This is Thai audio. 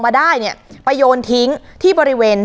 แล้วก็ไปซ่อนไว้ในคานหลังคาของโรงรถอีกทีนึง